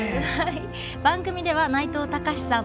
番組では内藤剛志さん